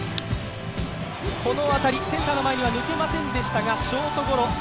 この当たり、センター前には抜けませんでしたがショートゴロ。